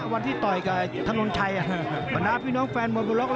วันที่ต่อยกับถนนชัยบรรณาพี่น้องแฟนมวยบนล็อก